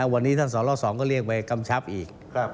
วันนี้ท่านสร๒ก็เรียกไปกำชับอีก